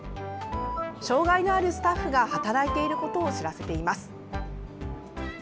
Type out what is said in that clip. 障害のあるスタッフが働いていることを知らせています。